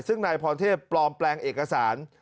ซึ่งนายพรเทพปลอมแปลงเอกสาร